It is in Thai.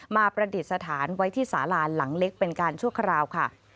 ประดิษฐานไว้ที่สาลานหลังเล็กเป็นการชั่วคราวค่ะ